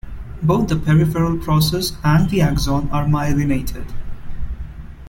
Both the peripheral process and the axon are myelinated.